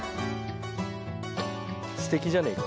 すてきじゃねえか。